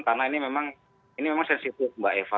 karena ini memang sensitif mbak eva